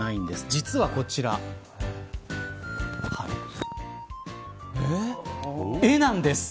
実はこちら絵なんです。